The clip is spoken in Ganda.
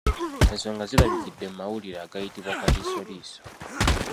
Ensonga zirabikidde mu mawulire agayitibwa Kaliisoliiso.